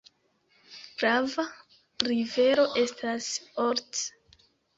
Grava rivero estas Olt.